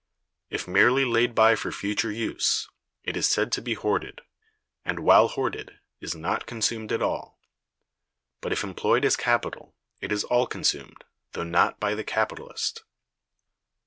If merely laid by for future use, it is said to be hoarded; and, while hoarded, is not consumed at all. But, if employed as capital, it is all consumed, though not by the capitalist.